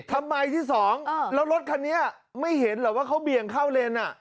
ทำไมที่สองแล้วรถคันนี้ไม่เห็นหรอกว่าเขาเบี่ยงเข้าเลน